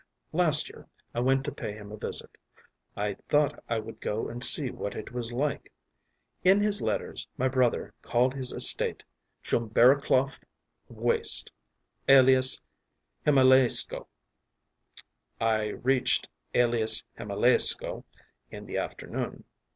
“Last year I went to pay him a visit. I thought I would go and see what it was like. In his letters my brother called his estate ‘Tchumbaroklov Waste, alias Himalaiskoe.’ I reached ‘alias Himalaiskoe’ in the afternoon.